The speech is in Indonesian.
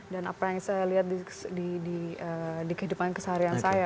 apa yang saya lihat di kehidupan keseharian saya